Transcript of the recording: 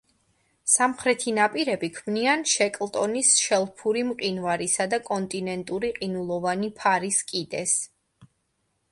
სამხრეთი ნაპირები ქმნიან შეკლტონის შელფური მყინვარისა და კონტინენტური ყინულოვანი ფარის კიდეს.